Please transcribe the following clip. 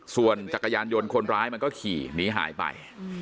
ส่วนจักรยานยนต์คนร้ายมันก็ขี่หนีหายไป